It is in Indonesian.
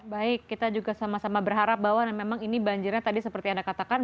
baik kita juga sama sama berharap bahwa memang ini banjirnya tadi seperti anda katakan